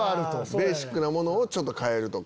ベーシックなものを変えるとか。